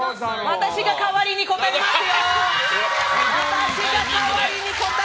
私が代わりに答えますよ！